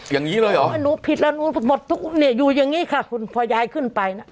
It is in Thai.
อย่างนี้เลยหรอหนูผิดแล้วหมดทุกอยู่อย่างนี้ค่ะคุณพอยายขึ้นไป